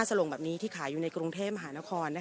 สลงแบบนี้ที่ขายอยู่ในกรุงเทพมหานคร